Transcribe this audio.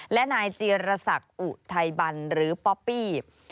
และนายเจียรษักอุไทบัลหรือป๊อปปี้